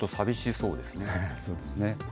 そうですね。